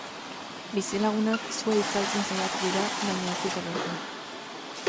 Bizilagunak sua itzaltzen saiatu dira, baina ez dute lortu.